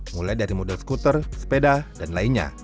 mulai dari model skuter sepeda dan lainnya